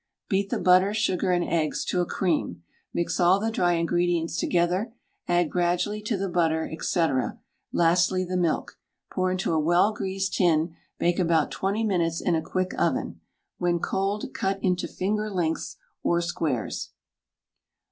Beat the butter, sugar, and eggs to a cream, mix all the dry ingredients together; add gradually to the butter, &c., lastly the milk. Put into a well greased tin, bake about 20 minutes in a quick oven. When cold cut into finger lengths or squares.